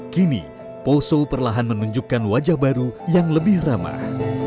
kini poso perlahan menunjukkan wajah baru yang lebih ramah